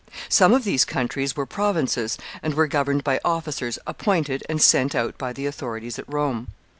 Some of these countries were provinces, and were governed by officers appointed and sent out by the authorities at Rome.